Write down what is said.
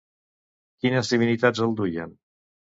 Quines divinitats el duien?